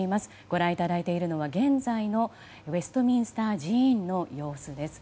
ご覧いただいているのは現在のウェストミンスター寺院の様子です。